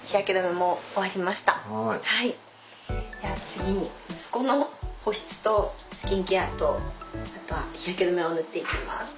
次に息子の保湿とスキンケアとあとは日焼け止めを塗っていきます。